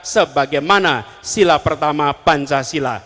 sebagaimana sila pertama pancasila